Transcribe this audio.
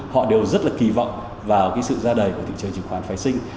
họ đều rất kỳ vọng vào sự ra đời của thị trường chứng khoán phai sinh